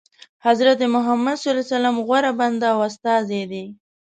حضرت محمد صلی الله علیه وسلم غوره بنده او استازی دی.